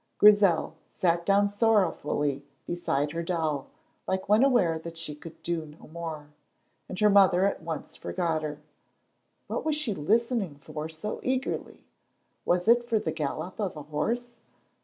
Grizel sat down sorrowfully beside her doll, like one aware that she could do no more, and her mother at once forgot her. What was she listening for so eagerly? Was it for the gallop of a horse?